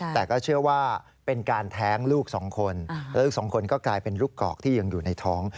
แต่ก็เชื่อว่าเป็นการแท้งลูกสองคนแล้วลูกสองคนก็กลายเป็นลูกกอกที่ยังอยู่ในท้อง